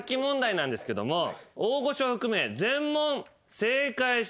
「大御所」含め。